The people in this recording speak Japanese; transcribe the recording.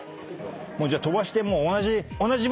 もうじゃあ飛ばして同じ。